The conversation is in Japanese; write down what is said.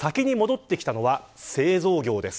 先に戻ってきたのは製造業です。